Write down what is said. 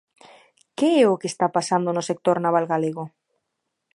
¿Que é o que está pasando no sector naval galego?